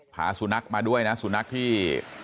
พาสุนัขมาด้วยนะสุนัขที่